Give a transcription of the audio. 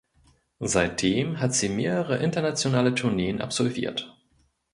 Seitdem hat sie mehrere internationale Tourneen absolviert.